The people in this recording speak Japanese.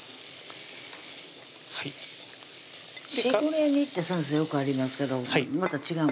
しぐれ煮って先生よくありますけどまた違う？